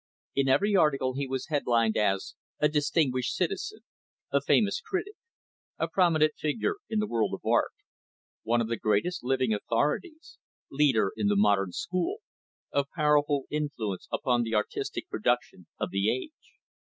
In every article he was headlined as "A Distinguished Citizen;" "A Famous Critic;" "A Prominent Figure in the World of Art;" "One of the Greatest Living Authorities;" "Leader in the Modern School;" "Of Powerful Influence Upon the Artistic Production of the Age."